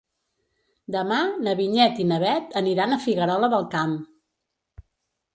Demà na Vinyet i na Bet aniran a Figuerola del Camp.